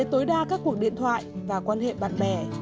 tối đa các cuộc điện thoại và quan hệ bạn bè